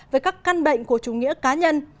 với các căn bệnh của chủ nghĩa cá nhân